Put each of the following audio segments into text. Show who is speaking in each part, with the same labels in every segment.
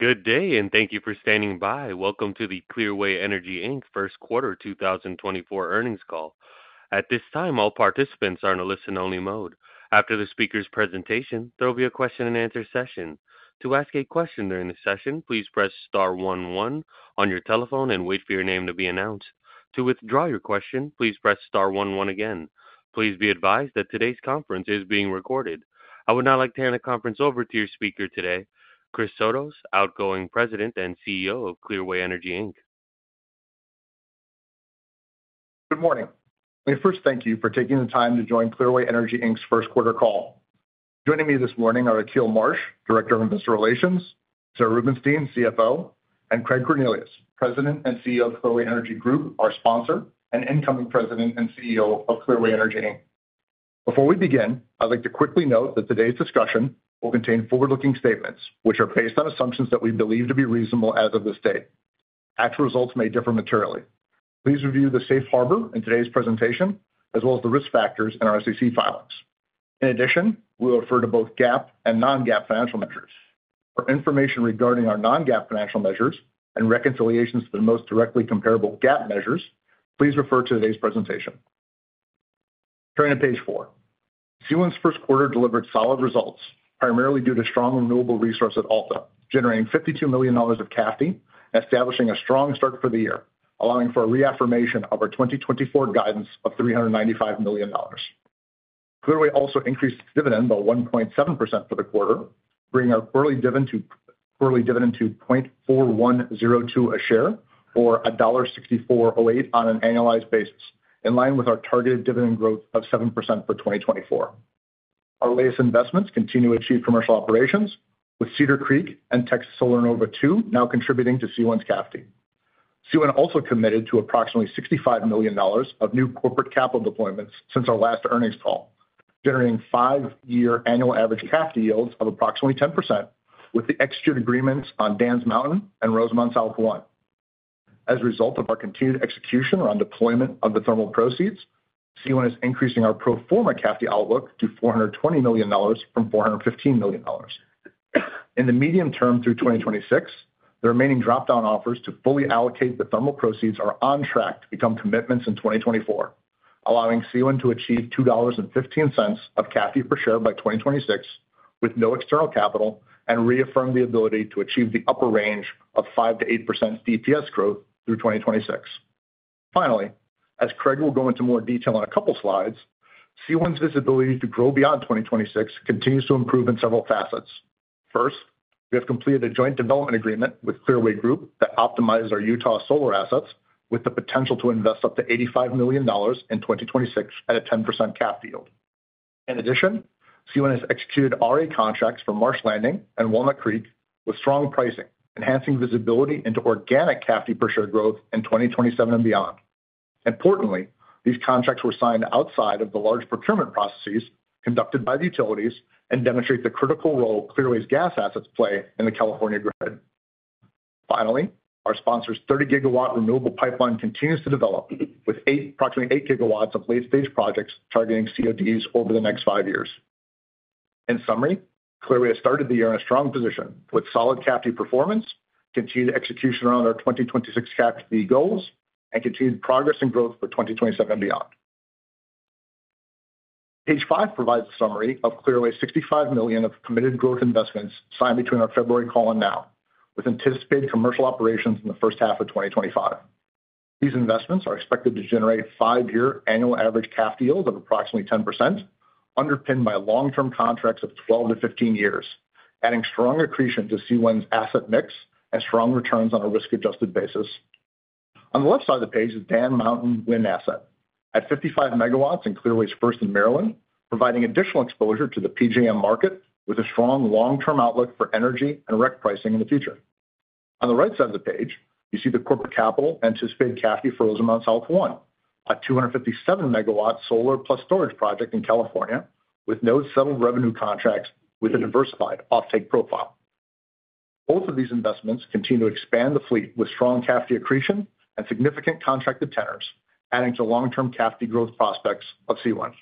Speaker 1: Good day and thank you for standing by. Welcome to the Clearway Energy Inc. first quarter 2024 earnings call. At this time, all participants are in a listen-only mode. After the speaker's presentation, there will be a question-and-answer session. To ask a question during the session, please press star one one on your telephone and wait for your name to be announced. To withdraw your question, please press star one one again. Please be advised that today's conference is being recorded. I would now like to hand the conference over to your speaker today, Chris Sotos, outgoing President and CEO of Clearway Energy Inc.
Speaker 2: Good morning. Let me first thank you for taking the time to join Clearway Energy, Inc.'s first quarter call. Joining me this morning are Akil Marsh, Director of Investor Relations, Sarah Rubenstein, CFO, and Craig Cornelius, President and CEO of Clearway Energy Group, our sponsor and incoming President and CEO of Clearway Energy, Inc. Before we begin, I'd like to quickly note that today's discussion will contain forward-looking statements which are based on assumptions that we believe to be reasonable as of this date. Actual results may differ materially. Please review the Safe Harbor in today's presentation as well as the risk factors in our SEC filings. In addition, we will refer to both GAAP and non-GAAP financial measures. For information regarding our non-GAAP financial measures and reconciliations to the most directly comparable GAAP measures, please refer to today's presentation. Turning to page four, CWEN's first quarter delivered solid results primarily due to strong renewable resource at Alta generating $52 million of CAFD and establishing a strong start for the year allowing for a reaffirmation of our 2024 guidance of $395 million. Clearway also increased its dividend by 1.7% for the quarter bringing our quarterly dividend to $0.4102 per share or $1.6408 on an annualized basis in line with our targeted dividend growth of 7% for 2024. Our latest investments continue to achieve commercial operations with Cedar Creek and Texas Solar Nova 2 now contributing to CWEN's CAFD. CWEN also committed to approximately $65 million of new corporate capital deployments since our last earnings call generating five-year annual average CAFD yields of approximately 10% with the additive agreements on Dan's Mountain and Rosamond South 1. As a result of our continued execution around deployment of the thermal proceeds CWEN is increasing our pro forma CAFD outlook to $420 million from $415 million. In the medium term through 2026 the remaining drop-down offers to fully allocate the thermal proceeds are on track to become commitments in 2024 allowing CWEN to achieve $2.15 of CAFD per share by 2026 with no external capital and reaffirm the ability to achieve the upper range of 5%-8% DPS growth through 2026. Finally as Craig will go into more detail on a couple slides CWEN's visibility to grow beyond 2026 continues to improve in several facets. First we have completed a joint development agreement with Clearway Group that optimizes our Utah solar assets with the potential to invest up to $85 million in 2026 at a 10% CAFD yield. In addition, CWEN has executed RA contracts for Marsh Landing and Walnut Creek with strong pricing, enhancing visibility into organic CAFD per share growth in 2027 and beyond. Importantly, these contracts were signed outside of the large procurement processes conducted by the utilities and demonstrate the critical role Clearway's gas assets play in the California grid. Finally, our sponsor's 30 GW renewable pipeline continues to develop with approximately 8 GW of late-stage projects targeting CODs over the next five years. In summary, Clearway has started the year in a strong position with solid CAFD performance, continued execution around our 2026 CAFD goals, and continued progress and growth for 2027 and beyond. Page 5 provides a summary of Clearway's $65 million of committed growth investments signed between our February call and now with anticipated commercial operations in the first half of 2025. These investments are expected to generate 5-year annual average CAFD yields of approximately 10% underpinned by long-term contracts of 12-15 years adding strong accretion to CWEN's asset mix and strong returns on a risk-adjusted basis. On the left side of the page is Dan's Mountain wind asset at 55 MW in Clearway's first in Maryland providing additional exposure to the PJM market with a strong long-term outlook for energy and REC pricing in the future. On the right side of the page you see the corporate capital anticipated CAFD for Rosamond South 1 a 257 MW solar + storage project in California with node-settled revenue contracts with a diversified offtake profile. Both of these investments continue to expand the fleet with strong CAFD accretion and significant contracted tenors adding to long-term CAFD growth prospects of CWEN.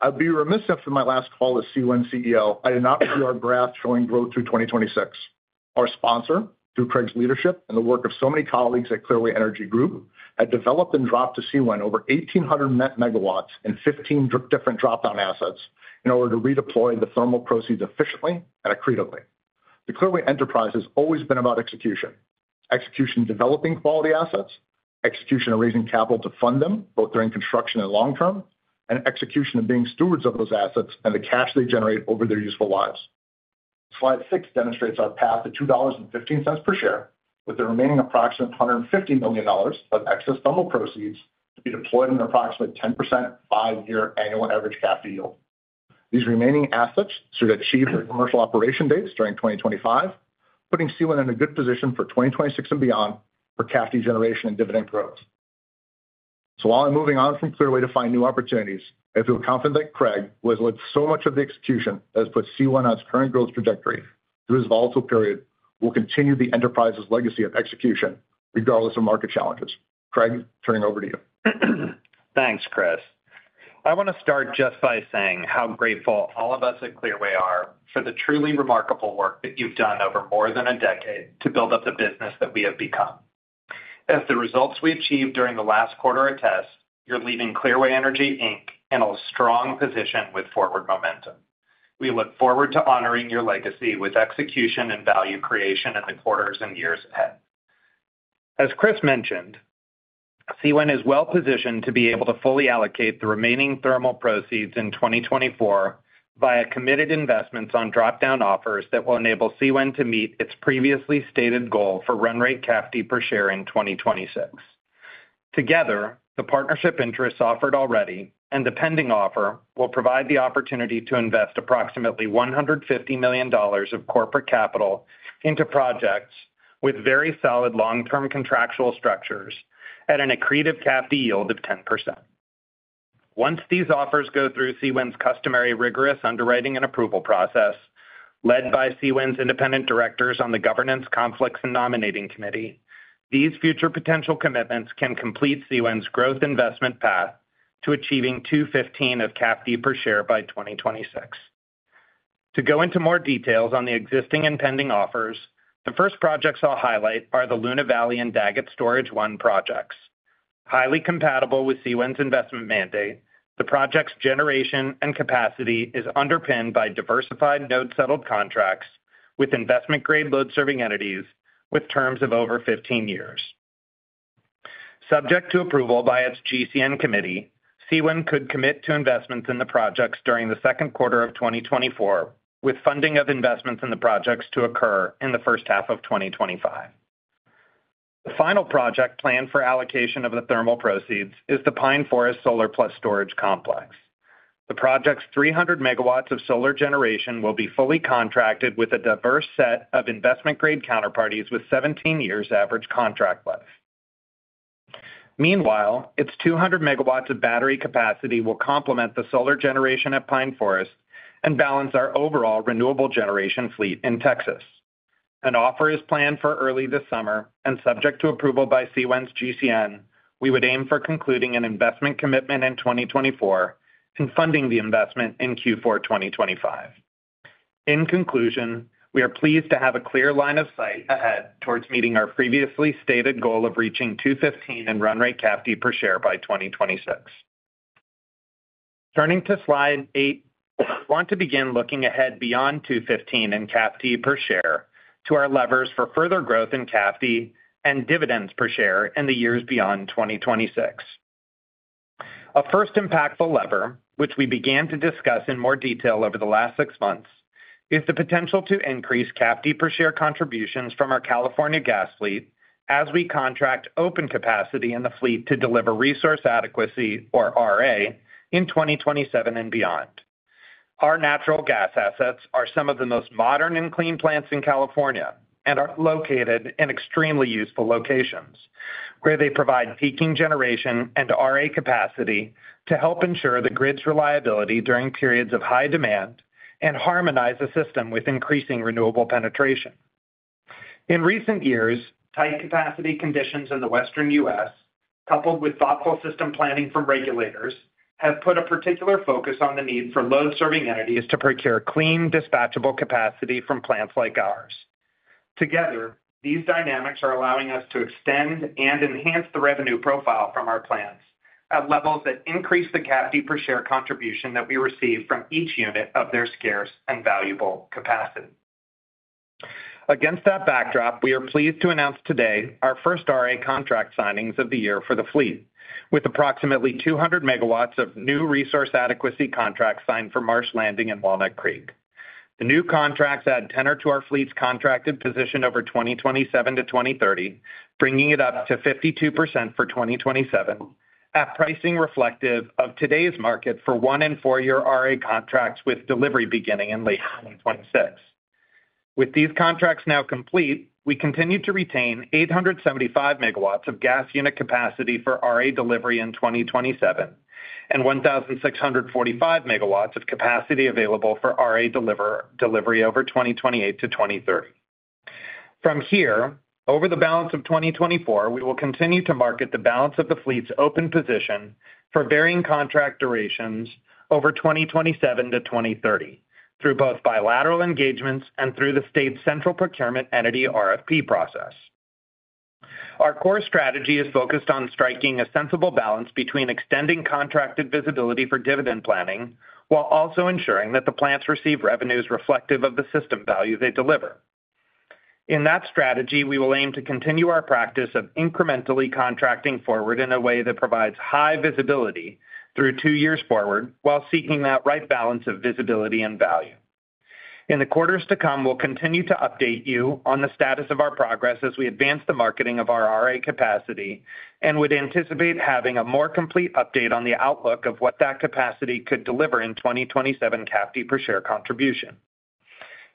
Speaker 2: I'd be remiss if in my last call as CWEN CEO I did not review our graph showing growth through 2026. Our sponsor through Craig's leadership and the work of so many colleagues at Clearway Energy Group had developed and dropped to CWEN over 1,800 MW in 15 different drop-down assets in order to redeploy the thermal proceeds efficiently and accretively. The Clearway Energy has always been about execution. Execution developing quality assets, execution of raising capital to fund them both during construction and long-term, and execution of being stewards of those assets and the cash they generate over their useful lives. Slide six demonstrates our path to $2.15 per share with the remaining approximate $150 million of excess thermal proceeds to be deployed in approximate 10% five-year annual average CAFD yield. These remaining assets should achieve their commercial operation dates during 2025, putting CWEN in a good position for 2026 and beyond for CAFD generation and dividend growth. So while I'm moving on from Clearway to find new opportunities, I feel confident that Craig, with so much of the execution that has put CWEN on its current growth trajectory through this volatile period, will continue the Enterprise's legacy of execution regardless of market challenges. Craig, turning over to you.
Speaker 3: Thanks, Chris. I want to start just by saying how grateful all of us at Clearway are for the truly remarkable work that you've done over more than a decade to build up the business that we have become. As the results we achieved during the last quarter attest, you're leaving Clearway Energy, Inc. in a strong position with forward momentum. We look forward to honoring your legacy with execution and value creation in the quarters and years ahead. As Chris mentioned, CWEN is well positioned to be able to fully allocate the remaining thermal proceeds in 2024 via committed investments on drop-down offers that will enable CWEN to meet its previously stated goal for run rate CAFD per share in 2026. Together the partnership interests offered already and the pending offer will provide the opportunity to invest approximately $150 million of corporate capital into projects with very solid long-term contractual structures at an accretive CAFD yield of 10%. Once these offers go through Clearway's customary rigorous underwriting and approval process led by Clearway's independent directors on the Governance, Conflicts, and Nominating Committee, these future potential commitments can complete Clearway's growth investment path to achieving $215 of CAFD per share by 2026. To go into more details on the existing and pending offers, the first projects I'll highlight are the Luna Valley and Daggett Storage 1 projects. Highly compatible with Clearway's investment mandate, the project's generation and capacity is underpinned by diversified node-settled contracts with investment-grade load-serving entities with terms of over 15 years. Subject to approval by its GCN Committee, CWEN could commit to investments in the projects during the second quarter of 2024 with funding of investments in the projects to occur in the first half of 2025. The final project planned for allocation of the thermal proceeds is the Pine Forest Solar + Storage Complex. The project's 300 MW of solar generation will be fully contracted with a diverse set of investment-grade counterparties with 17 years average contract life. Meanwhile its 200 MW of battery capacity will complement the solar generation at Pine Forest and balance our overall renewable generation fleet in Texas. An offer is planned for early this summer and subject to approval by CWEN's GCN, we would aim for concluding an investment commitment in 2024 and funding the investment in Q4 2025. In conclusion, we are pleased to have a clear line of sight ahead towards meeting our previously stated goal of reaching $215 in run-rate CAFD per share by 2026. Turning to slide eight, I want to begin looking ahead beyond $215 in CAFD per share to our levers for further growth in CAFD and dividends per share in the years beyond 2026. A first impactful lever which we began to discuss in more detail over the last six months is the potential to increase CAFD per share contributions from our California gas fleet as we contract open capacity in the fleet to deliver resource adequacy or RA in 2027 and beyond. Our natural gas assets are some of the most modern and clean plants in California and are located in extremely useful locations where they provide peaking generation and RA capacity to help ensure the grid's reliability during periods of high demand and harmonize the system with increasing renewable penetration. In recent years tight capacity conditions in the Western U.S. coupled with thoughtful system planning from regulators have put a particular focus on the need for load-serving entities to procure clean dispatchable capacity from plants like ours. Together these dynamics are allowing us to extend and enhance the revenue profile from our plants at levels that increase the CAFD per share contribution that we receive from each unit of their scarce and valuable capacity. Against that backdrop we are pleased to announce today our first RA contract signings of the year for the fleet with approximately 200 MWof new resource adequacy contracts signed for Marsh Landing and Walnut Creek. The new contracts add tenor to our fleet's contracted position over 2027 to 2030 bringing it up to 52% for 2027 at pricing reflective of today's market for one- and four-year RA contracts with delivery beginning in late 2026. With these contracts now complete we continue to retain 875 MW of gas unit capacity for RA delivery in 2027 and 1,645 MW of capacity available for RA delivery over 2028 to 2030. From here over the balance of 2024 we will continue to market the balance of the fleet's open position for varying contract durations over 2027 to 2030 through both bilateral engagements and through the state's central procurement entity RFP process. Our core strategy is focused on striking a sensible balance between extending contracted visibility for dividend planning while also ensuring that the plants receive revenues reflective of the system value they deliver. In that strategy we will aim to continue our practice of incrementally contracting forward in a way that provides high visibility through two years forward while seeking that right balance of visibility and value. In the quarters to come we'll continue to update you on the status of our progress as we advance the marketing of our RA capacity and would anticipate having a more complete update on the outlook of what that capacity could deliver in 2027 CAFD per share contribution.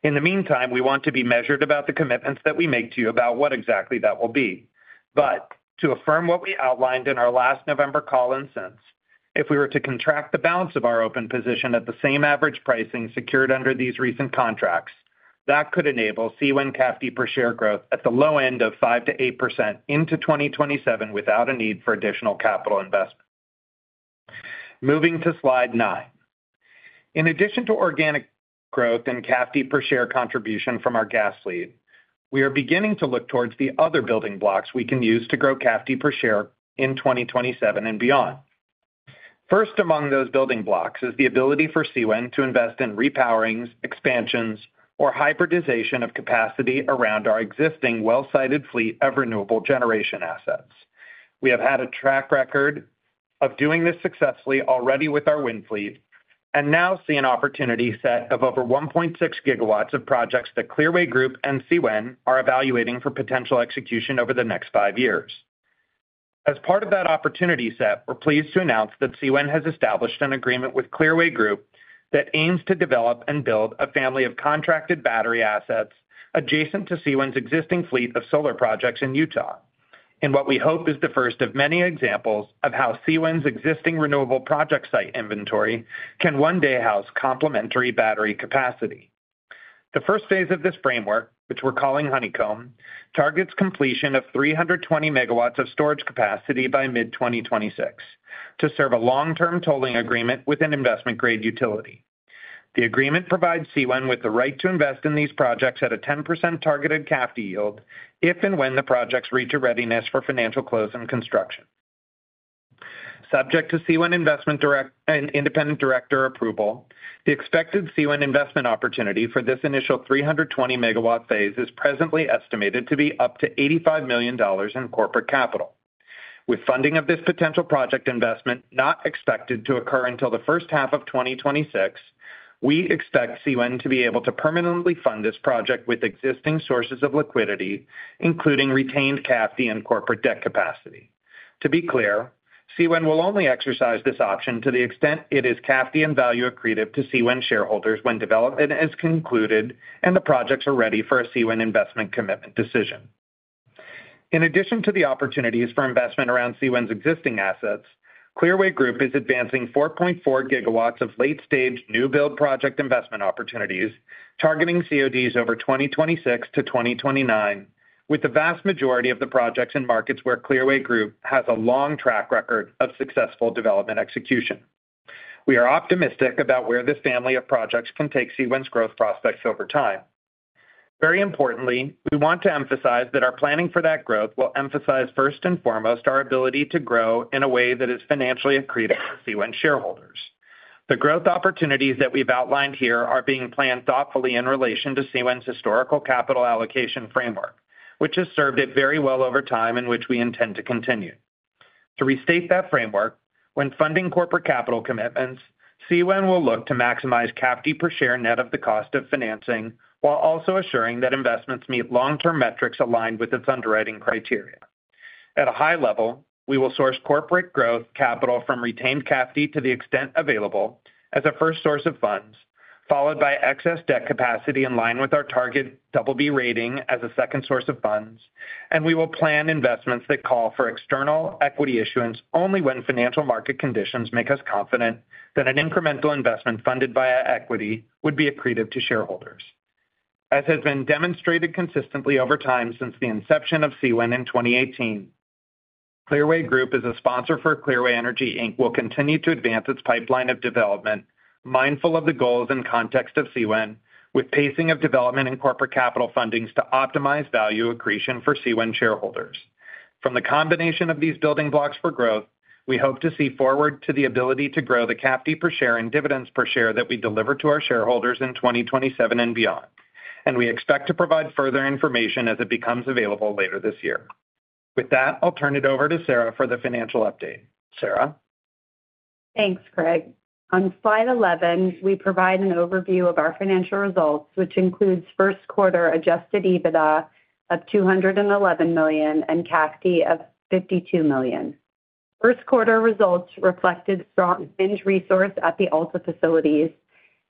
Speaker 3: In the meantime we want to be measured about the commitments that we make to you about what exactly that will be. But to affirm what we outlined in our last November call and since if we were to contract the balance of our open position at the same average pricing secured under these recent contracts that could enable CWEN CAFD per share growth at the low end of 5%-8% into 2027 without a need for additional capital investment. Moving to slide nine. In addition to organic growth and CAFD per share contribution from our gas fleet we are beginning to look towards the other building blocks we can use to grow CAFD per share in 2027 and beyond. First among those building blocks is the ability for CWEN to invest in re-powerings, expansions, or hybridization of capacity around our existing well-sited fleet of renewable generation assets. We have had a track record of doing this successfully already with our wind fleet and now see an opportunity set of over 1.6 GW of projects that Clearway Group and CWEN are evaluating for potential execution over the next five years. As part of that opportunity set we're pleased to announce that CWEN has established an agreement with Clearway Group that aims to develop and build a family of contracted battery assets adjacent to CWEN's existing fleet of solar projects in Utah. What we hope is the first of many examples of how CWEN's existing renewable project site inventory can one day house complementary battery capacity. The first phase of this framework which we're calling Honeycomb targets completion of 320 MW of storage capacity by mid-2026 to serve a long-term tolling agreement with an investment-grade utility. The agreement provides CWEN with the right to invest in these projects at a 10% targeted CAFD yield if and when the projects reach a readiness for financial close and construction. Subject to CWEN investment director and independent director approval, the expected CWEN investment opportunity for this initial 320 MW phase is presently estimated to be up to $85 million in corporate capital. With funding of this potential project investment not expected to occur until the first half of 2026, we expect CWEN to be able to permanently fund this project with existing sources of liquidity including retained CAFD and corporate debt capacity. To be clear, CWEN will only exercise this option to the extent it is CAFD and value accretive to CWEN shareholders when development is concluded and the projects are ready for a CWEN investment commitment decision. In addition to the opportunities for investment around CWEN's existing assets, Clearway Group is advancing 4.4 GW of late-stage new build project investment opportunities targeting CODs over 2026-2029 with the vast majority of the projects in markets where Clearway Group has a long track record of successful development execution. We are optimistic about where this family of projects can take CWEN's growth prospects over time. Very importantly we want to emphasize that our planning for that growth will emphasize first and foremost our ability to grow in a way that is financially accretive to CWEN shareholders. The growth opportunities that we've outlined here are being planned thoughtfully in relation to CWEN's historical capital allocation framework which has served it very well over time and which we intend to continue. To restate that framework when funding corporate capital commitments CWEN will look to maximize CAFD per share net of the cost of financing while also assuring that investments meet long-term metrics aligned with its underwriting criteria. At a high level we will source corporate growth capital from retained CAFD to the extent available as a first source of funds followed by excess debt capacity in line with our target BB rating as a second source of funds and we will plan investments that call for external equity issuance only when financial market conditions make us confident that an incremental investment funded via equity would be accretive to shareholders. As has been demonstrated consistently over time since the inception of CWEN in 2018 Clearway Group is a sponsor for Clearway Energy Inc. Will continue to advance its pipeline of development, mindful of the goals and context of CWEN, with pacing of development and corporate capital funding to optimize value accretion for CWEN shareholders. From the combination of these building blocks for growth, we hope to look forward to the ability to grow the CAFD per share and dividends per share that we deliver to our shareholders in 2027 and beyond. We expect to provide further information as it becomes available later this year. With that, I'll turn it over to Sarah for the financial update. Sarah.
Speaker 4: Thanks, Craig. On slide 11, we provide an overview of our financial results, which includes first quarter adjusted EBITDA of $211 million and CAFD of $52 million. First quarter results reflected strong wind resource at the Alta facilities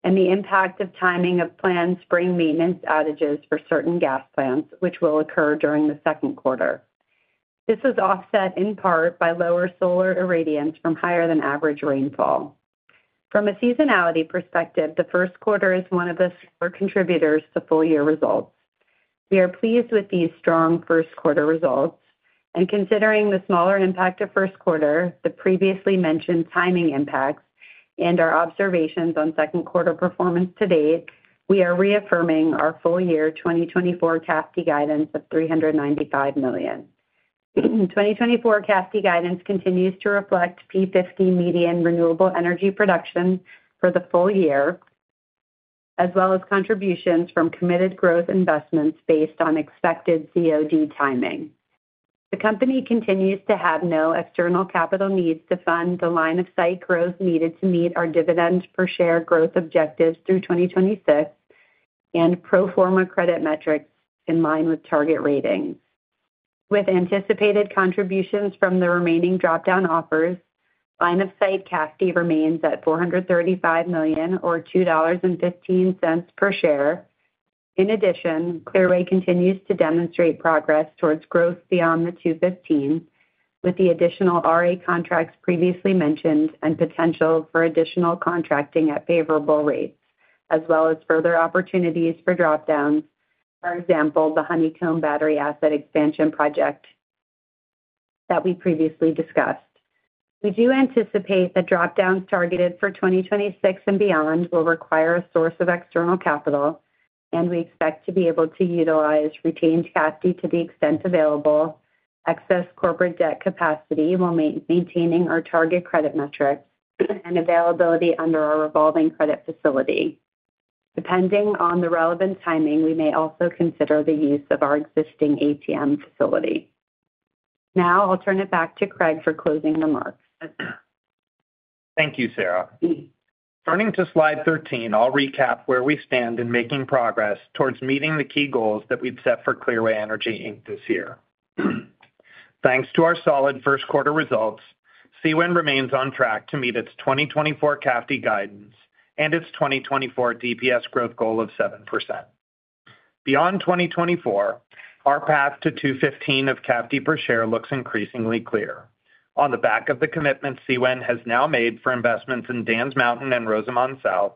Speaker 4: and the impact of timing of planned spring maintenance outages for certain gas plants which will occur during the second quarter. This was offset in part by lower solar irradiance from higher than average rainfall. From a seasonality perspective, the first quarter is one of the smaller contributors to full-year results. We are pleased with these strong first quarter results and, considering the smaller impact of first quarter, the previously mentioned timing impacts, and our observations on second quarter performance to date, we are reaffirming our full-year 2024 CAFD guidance of $395 million. 2024 CAFD guidance continues to reflect P50 median renewable energy production for the full year as well as contributions from committed growth investments based on expected COD timing. The company continues to have no external capital needs to fund the line-of-sight growth needed to meet our dividend per share growth objectives through 2026 and pro forma credit metrics in line with target ratings. With anticipated contributions from the remaining dropdown offers line-of-sight CAFD remains at $435 million or $2.15 per share. In addition, Clearway continues to demonstrate progress towards growth beyond the $2.15 with the additional RA contracts previously mentioned and potential for additional contracting at favorable rates as well as further opportunities for dropdowns, for example, the Honeycomb battery asset expansion project that we previously discussed. We do anticipate that dropdowns targeted for 2026 and beyond will require a source of external capital and we expect to be able to utilize retained CAFD to the extent available, excess corporate debt capacity while maintaining our target credit metrics and availability under our revolving credit facility. Depending on the relevant timing we may also consider the use of our existing ATM facility. Now I'll turn it back to Craig for closing remarks.
Speaker 3: Thank you Sarah. Turning to slide 13 I'll recap where we stand in making progress towards meeting the key goals that we've set for Clearway Energy Inc. this year. Thanks to our solid first quarter results CWEN remains on track to meet its 2024 CAFD guidance and its 2024 DPS growth goal of 7%. Beyond 2024 our path to $2.15 of CAFD per share looks increasingly clear. On the back of the commitments CWEN has now made for investments in Dan's Mountain and Rosamond South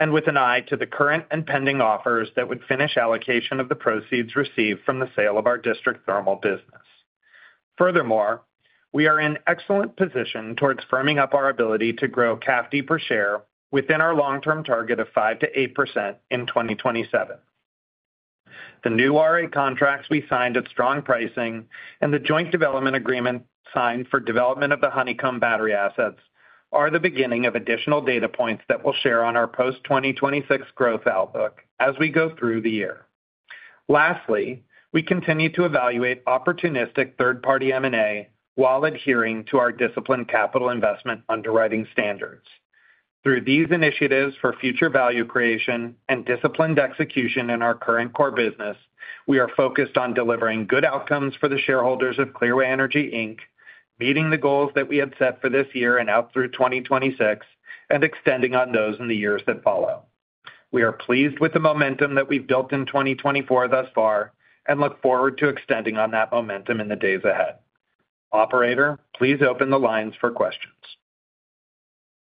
Speaker 3: and with an eye to the current and pending offers that would finish allocation of the proceeds received from the sale of our district thermal business. Furthermore, we are in excellent position towards firming up our ability to grow CAFD per share within our long-term target of 5%-8% in 2027. The new RA contracts we signed at strong pricing and the joint development agreement signed for development of the Honeycomb battery assets are the beginning of additional data points that we'll share on our post-2026 growth outlook as we go through the year. Lastly, we continue to evaluate opportunistic third-party M&A while adhering to our disciplined capital investment underwriting standards. Through these initiatives for future value creation and disciplined execution in our current core business, we are focused on delivering good outcomes for the shareholders of Clearway Energy Inc., meeting the goals that we had set for this year and out through 2026 and extending on those in the years that follow. We are pleased with the momentum that we've built in 2024 thus far and look forward to extending on that momentum in the days ahead. Operator, please open the lines for questions.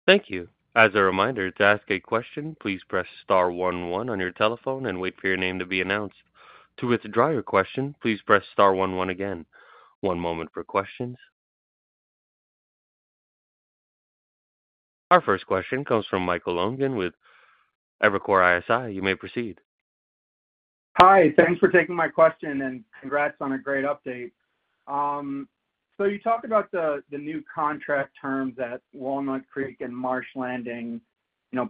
Speaker 1: Thank you. As a reminder, to ask a question please press star 11 on your telephone and wait for your name to be announced. To withdraw your question please press star 11 again. One moment for questions. Our first question comes from Michael Lonegan with Evercore ISI. You may proceed.
Speaker 5: Hi, thanks for taking my question and congrats on a great update. So you talked about the new contract terms at Walnut Creek and Marsh Landing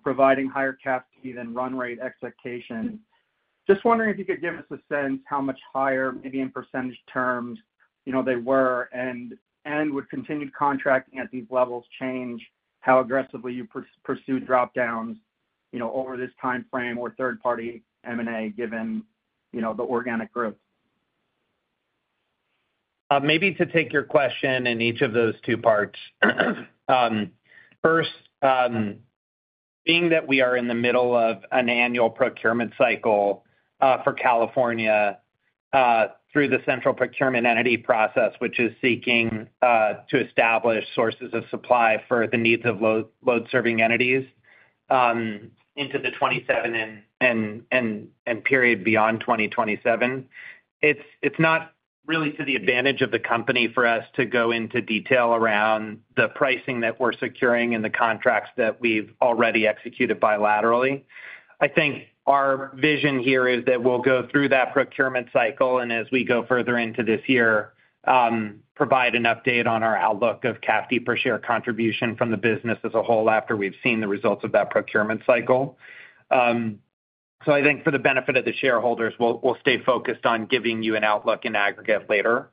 Speaker 5: providing higher CAFD than run rate expectations. Just wondering if you could give us a sense how much higher maybe in percentage terms they were and would continued contracting at these levels change how aggressively you pursue dropdowns over this time frame or third-party M&A given the organic growth?
Speaker 3: Maybe to take your question in each of those two parts. First being that we are in the middle of an annual procurement cycle for California through the central procurement entity process which is seeking to establish sources of supply for the needs of load-serving entities into the 2027 and period beyond 2027. It's not really to the advantage of the company for us to go into detail around the pricing that we're securing and the contracts that we've already executed bilaterally. I think our vision here is that we'll go through that procurement cycle and as we go further into this year provide an update on our outlook of CAFD per share contribution from the business as a whole after we've seen the results of that procurement cycle. So I think for the benefit of the shareholders we'll stay focused on giving you an outlook in aggregate later.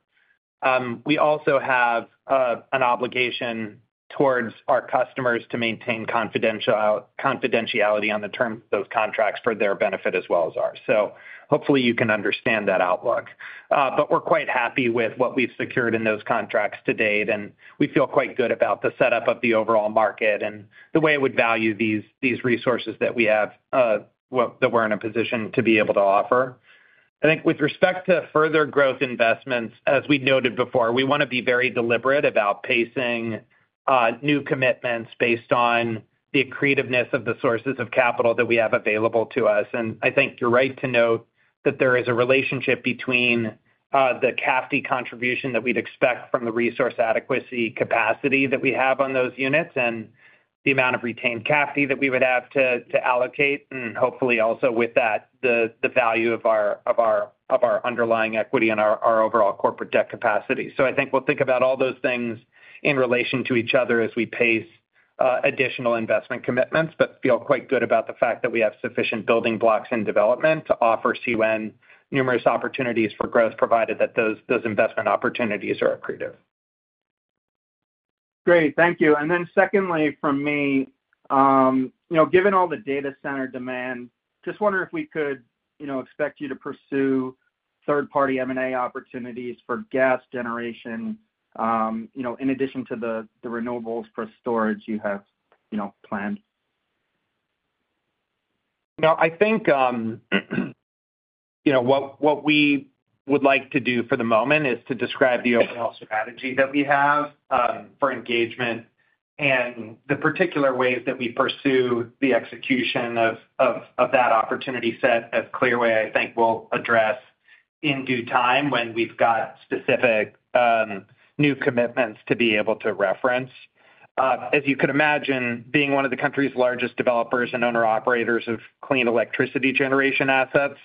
Speaker 3: We also have an obligation towards our customers to maintain confidentiality on the terms of those contracts for their benefit as well as ours. So hopefully you can understand that outlook. But we're quite happy with what we've secured in those contracts to date and we feel quite good about the setup of the overall market and the way it would value these resources that we have that we're in a position to be able to offer. I think with respect to further growth investments as we'd noted before we want to be very deliberate about pacing new commitments based on the accretiveness of the sources of capital that we have available to us. And I think you're right to note that there is a relationship between the CAFD contribution that we'd expect from the resource adequacy capacity that we have on those units and the amount of retained CAFD that we would have to allocate and hopefully also with that the value of our underlying equity and our overall corporate debt capacity. So I think we'll think about all those things in relation to each other as we pace additional investment commitments but feel quite good about the fact that we have sufficient building blocks in development to offer CWEN numerous opportunities for growth provided that those investment opportunities are accretive.
Speaker 5: Great. Thank you. And then secondly from me, given all the data center demand, just wondering if we could expect you to pursue third-party M&A opportunities for gas generation in addition to the renewables for storage you have planned?
Speaker 3: I think what we would like to do for the moment is to describe the overall strategy that we have for engagement and the particular ways that we pursue the execution of that opportunity set, as Clearway, I think, will address in due time when we've got specific new commitments to be able to reference. As you could imagine, being one of the country's largest developers and owner-operators of clean electricity generation assets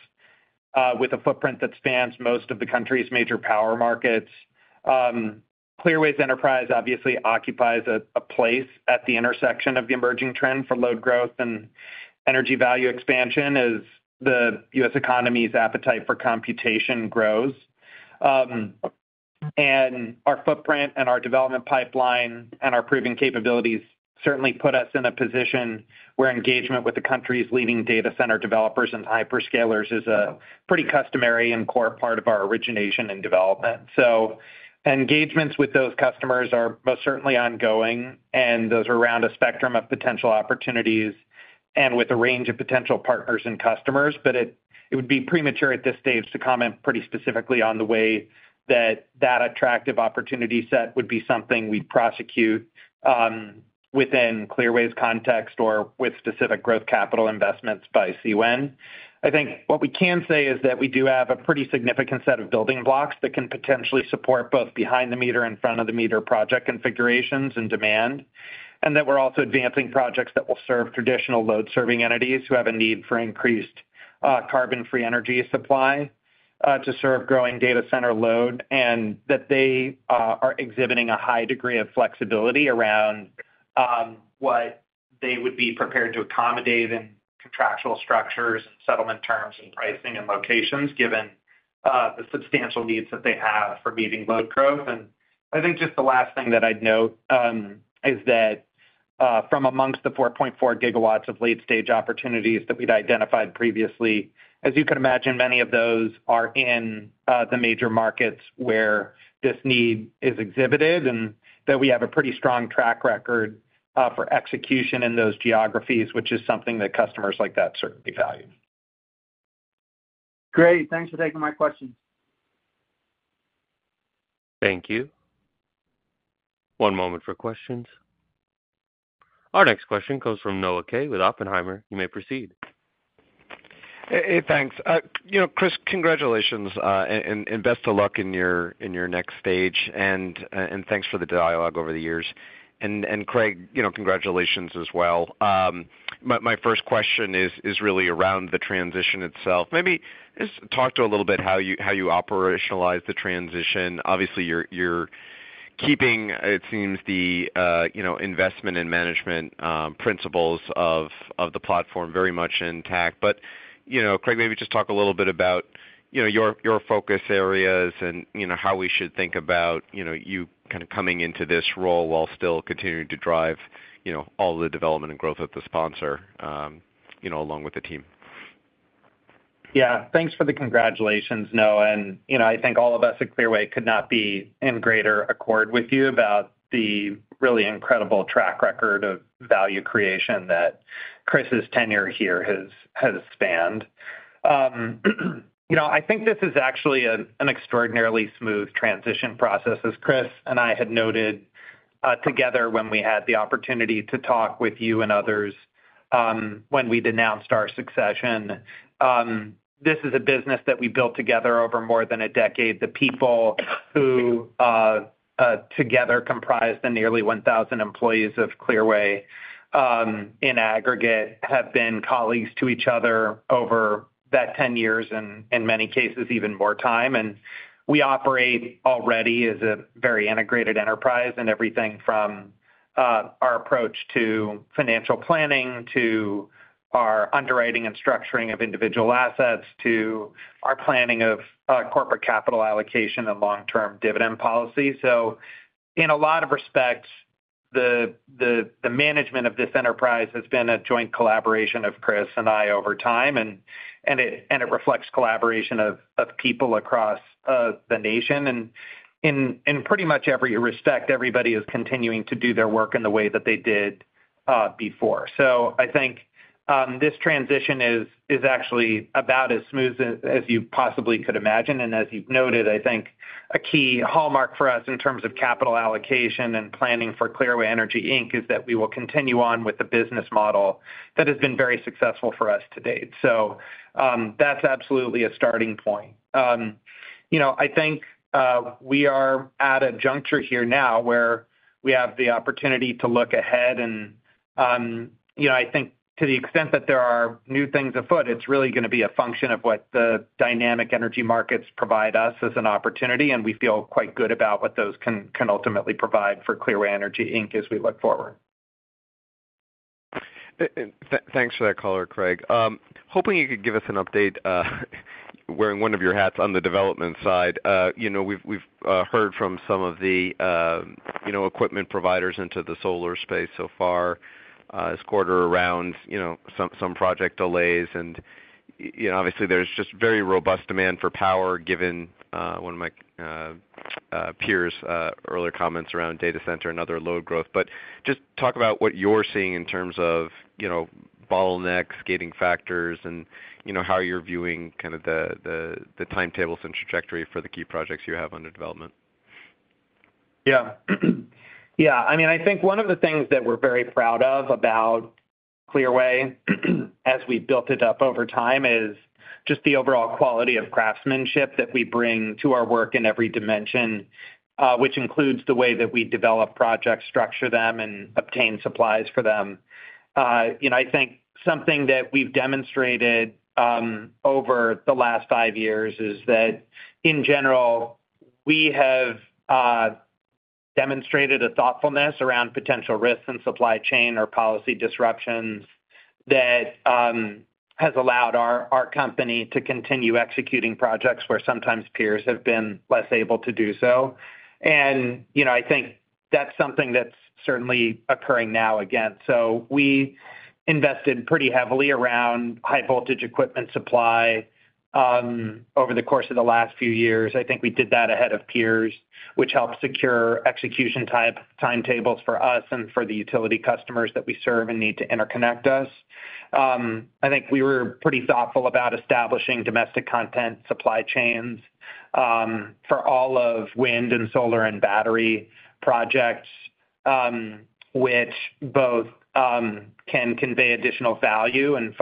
Speaker 3: with a footprint that spans most of the country's major power markets, Clearway's enterprise obviously occupies a place at the intersection of the emerging trend for load growth and energy value expansion as the U.S. economy's appetite for computation grows. And our footprint and our development pipeline and our proving capabilities certainly put us in a position where engagement with the country's leading data center developers and hyperscalers is a pretty customary and core part of our origination and development. So engagements with those customers are most certainly ongoing and those are around a spectrum of potential opportunities and with a range of potential partners and customers but it would be premature at this stage to comment pretty specifically on the way that that attractive opportunity set would be something we'd prosecute within Clearway's context or with specific growth capital investments by CWEN. I think what we can say is that we do have a pretty significant set of building blocks that can potentially support both behind the meter and front of the meter project configurations and demand, and that we're also advancing projects that will serve traditional load-serving entities who have a need for increased carbon-free energy supply to serve growing data center load, and that they are exhibiting a high degree of flexibility around what they would be prepared to accommodate in contractual structures and settlement terms and pricing and locations given the substantial needs that they have for meeting load growth. And I think just the last thing that I'd note is that from amongst the 4.4 GW of late-stage opportunities that we'd identified previously, as you could imagine many of those are in the major markets where this need is exhibited and that we have a pretty strong track record for execution in those geographies, which is something that customers like that certainly value.
Speaker 5: Great. Thanks for taking my questions.
Speaker 3: Thank you.
Speaker 1: One moment for questions. Our next question comes from Noah Kaye with Oppenheimer. You may proceed.
Speaker 6: Hey thanks. Chris congratulations and best of luck in your next stage and thanks for the dialogue over the years. And Craig congratulations as well. My first question is really around the transition itself. Maybe just talk to a little bit how you operationalize the transition. Obviously, you're keeping it seems the investment and management principles of the platform very much intact, but Craig, maybe just talk a little bit about your focus areas and how we should think about you kind of coming into this role while still continuing to drive all of the development and growth of the sponsor along with the team.
Speaker 3: Yeah. Thanks for the congratulations, Noah. I think all of us at Clearway could not be in greater accord with you about the really incredible track record of value creation that Chris's tenure here has spanned. I think this is actually an extraordinarily smooth transition process as Chris and I had noted together when we had the opportunity to talk with you and others when we'd announced our succession. This is a business that we built together over more than a decade. The people who together comprise the nearly 1,000 employees of Clearway in aggregate have been colleagues to each other over that 10 years and in many cases even more time. And we operate already as a very integrated enterprise in everything from our approach to financial planning to our underwriting and structuring of individual assets to our planning of corporate capital allocation and long-term dividend policy. So in a lot of respects the management of this enterprise has been a joint collaboration of Chris and I over time and it reflects collaboration of people across the nation. And in pretty much every respect everybody is continuing to do their work in the way that they did before. So I think this transition is actually about as smooth as you possibly could imagine. As you've noted, I think a key hallmark for us in terms of capital allocation and planning for Clearway Energy Inc. is that we will continue on with the business model that has been very successful for us to date. That's absolutely a starting point. I think we are at a juncture here now where we have the opportunity to look ahead and I think to the extent that there are new things afoot it's really going to be a function of what the dynamic energy markets provide us as an opportunity and we feel quite good about what those can ultimately provide for Clearway Energy Inc. as we look forward.
Speaker 6: Thanks for that, caller Craig. Hoping you could give us an update wearing one of your hats on the development side. We've heard from some of the equipment providers into the solar space so far this quarter around some project delays, and obviously there's just very robust demand for power given one of my peers' earlier comments around data center and other load growth. But just talk about what you're seeing in terms of bottlenecks, gating factors, and how you're viewing kind of the timetables and trajectory for the key projects you have under development.
Speaker 3: Yeah. Yeah. I mean, I think one of the things that we're very proud of about Clearway as we've built it up over time is just the overall quality of craftsmanship that we bring to our work in every dimension, which includes the way that we develop projects, structure them, and obtain supplies for them. I think something that we've demonstrated over the last five years is that in general we have demonstrated a thoughtfulness around potential risks in supply chain or policy disruptions that has allowed our company to continue executing projects where sometimes peers have been less able to do so. And I think that's something that's certainly occurring now again. So we invested pretty heavily around high-voltage equipment supply over the course of the last few years. I think we did that ahead of peers which helped secure execution timetables for us and for the utility customers that we serve and need to interconnect us. I think we were pretty thoughtful about establishing domestic content supply chains for all of wind and solar and battery projects which both can convey additional value and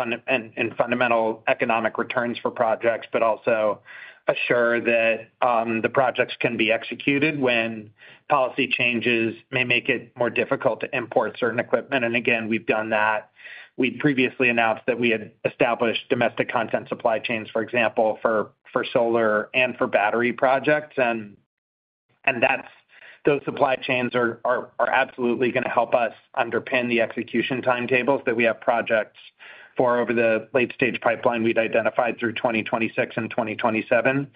Speaker 3: fundamental economic returns for projects but also assure that the projects can be executed when policy changes may make it more difficult to import certain equipment. And again we've done that. We'd previously announced that we had established domestic content supply chains for example for solar and for battery projects and those supply chains are absolutely going to help us underpin the execution timetables that we have projects for over the late-stage pipeline we'd identified through 2026 and 2027.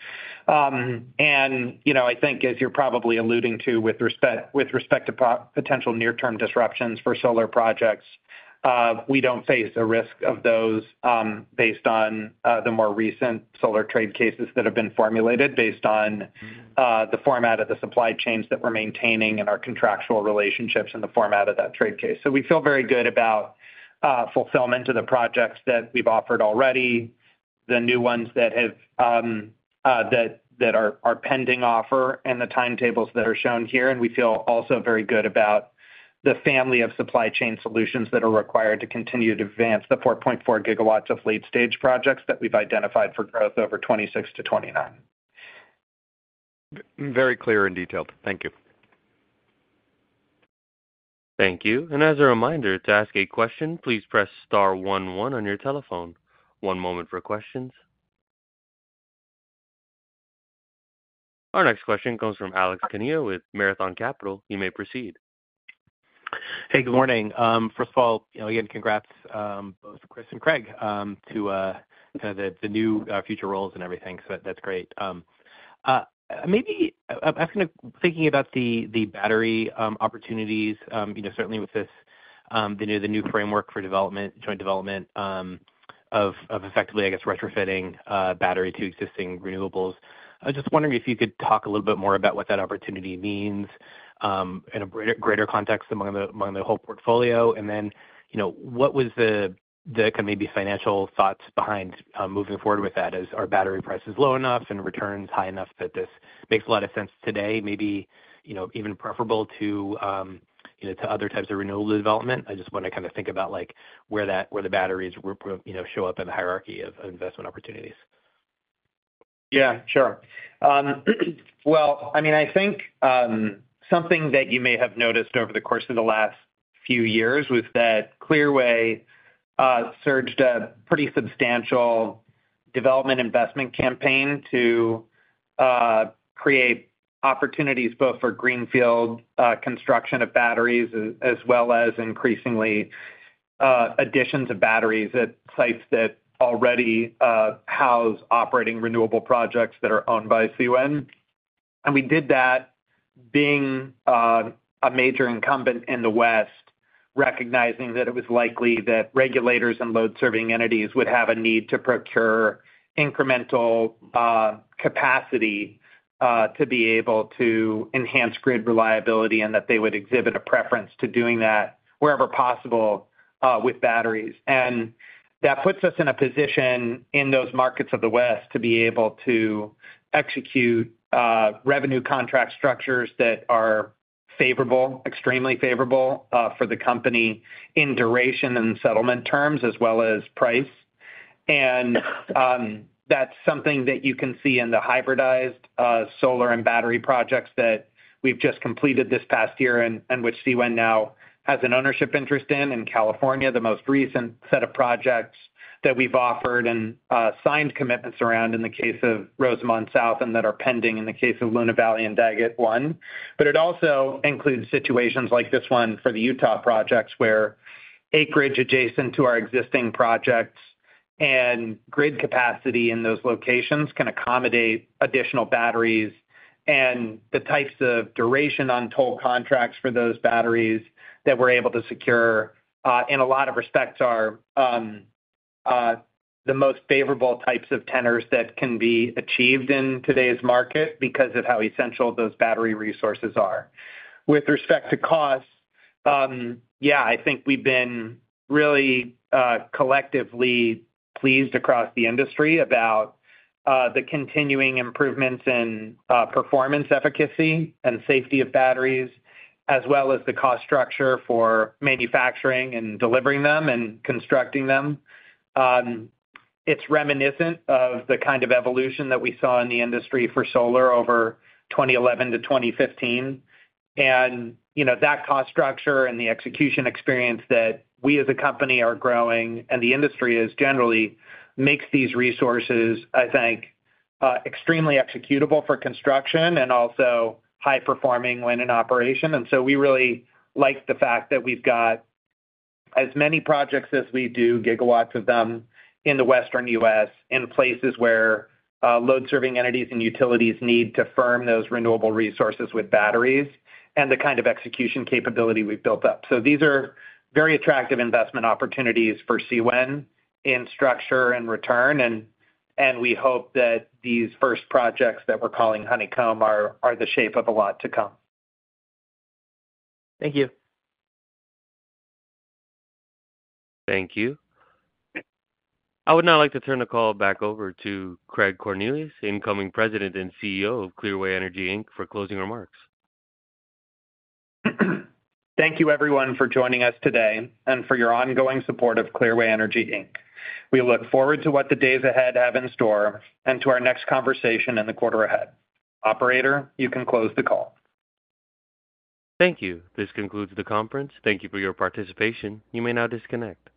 Speaker 3: And I think as you're probably alluding to with respect to potential near-term disruptions for solar projects, we don't face a risk of those based on the more recent solar trade cases that have been formulated based on the format of the supply chains that we're maintaining and our contractual relationships and the format of that trade case. So we feel very good about fulfillment of the projects that we've offered already, the new ones that are pending offer, and the timetables that are shown here. And we feel also very good about the family of supply chain solutions that are required to continue to advance the 4.4 GW of late-stage projects that we've identified for growth over 2026-2029.
Speaker 6: Very clear and detailed. Thank you. Thank you.
Speaker 1: And as a reminder to ask a question, please press star 11 on your telephone. One moment for questions. Our next question comes from Alex Kania with Marathon Capital. You may proceed.
Speaker 7: Hey good morning. First of all again congrats both Chris and Craig to kind of the new future roles and everything. So that's great. Maybe I'm asking thinking about the battery opportunities certainly with the new framework for development joint development of effectively I guess retrofitting battery to existing renewables. I was just wondering if you could talk a little bit more about what that opportunity means in a greater context among the whole portfolio and then what was the kind of maybe financial thoughts behind moving forward with that as are battery prices low enough and returns high enough that this makes a lot of sense today maybe even preferable to other types of renewable development? I just want to kind of think about where the batteries show up in the hierarchy of investment opportunities?
Speaker 3: Yeah. Sure. Well, I mean, I think something that you may have noticed over the course of the last few years was that Clearway surged a pretty substantial development investment campaign to create opportunities both for greenfield construction of batteries as well as increasingly additions of batteries at sites that already house operating renewable projects that are owned by CWEN. And we did that being a major incumbent in the west recognizing that it was likely that regulators and load-serving entities would have a need to procure incremental capacity to be able to enhance grid reliability and that they would exhibit a preference to doing that wherever possible with batteries. And that puts us in a position in those markets of the west to be able to execute revenue contract structures that are favorable extremely favorable for the company in duration and settlement terms as well as price. That's something that you can see in the hybridized solar and battery projects that we've just completed this past year and which CWEN now has an ownership interest in in California, the most recent set of projects that we've offered and signed commitments around in the case of Rosamond South 1 and that are pending in the case of Luna Valley and Daggett 1. But it also includes situations like this one for the Utah projects where acreage adjacent to our existing projects and grid capacity in those locations can accommodate additional batteries and the types of duration on toll contracts for those batteries that we're able to secure in a lot of respects are the most favorable types of tenors that can be achieved in today's market because of how essential those battery resources are. With respect to costs, yeah, I think we've been really collectively pleased across the industry about the continuing improvements in performance, efficacy, and safety of batteries as well as the cost structure for manufacturing and delivering them and constructing them. It's reminiscent of the kind of evolution that we saw in the industry for solar over 2011 to 2015. And that cost structure and the execution experience that we as a company are growing and the industry is generally makes these resources I think extremely executable for construction and also high performing when in operation. And so we really like the fact that we've got as many projects as we do gigawatts of them in the Western U.S. in places where load-serving entities and utilities need to firm those renewable resources with batteries and the kind of execution capability we've built up. So these are very attractive investment opportunities for CWEN in structure and return and we hope that these first projects that we're calling Honeycomb are the shape of a lot to come.
Speaker 7: Thank you. Thank you. I would now like to turn the call back over to Craig Cornelius, incoming President and CEO of Clearway Energy, Inc. for closing remarks.
Speaker 3: Thank you everyone for joining us today and for your ongoing support of Clearway Energy, Inc. We look forward to what the days ahead have in store and to our next conversation in the quarter ahead. Operator, you can close the call.
Speaker 1: Thank you. This concludes the conference. Thank you for your participation. You may now disconnect.